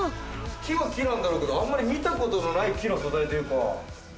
木は木なんだろうけど、あまり見たことがない素材というか。